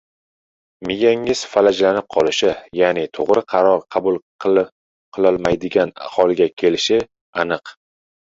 miyangiz falajlanib qolishi, yaʼni toʻgʻri qaror qabul qilolmaydigan holga kelishi aniq.